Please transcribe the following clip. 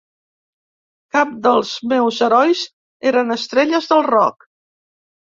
Cap dels meus herois eren estrelles de rock.